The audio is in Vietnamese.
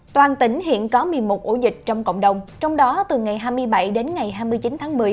toàn tỉnh hiện có một mươi một ổ dịch trong cộng đồng trong đó từ ngày hai mươi bảy đến ngày hai mươi chín tháng một mươi